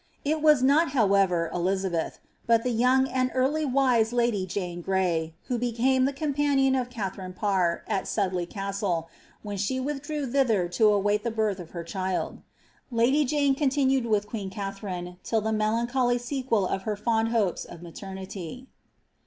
It wm not, however, Elizabeth, but the young, and early wise lady Jane Gny, who became the companion of Katliarine Parr, at Sudlcy Castle, when she withdrew thither to await the birth of her child. Lady Jane con tinued with queen Katharine, till the melancholy sequel of her food hopes of maternity.